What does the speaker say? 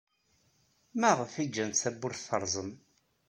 Maɣef ay ǧǧant tawwurt terẓem?